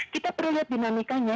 kita perlu lihat dinamikanya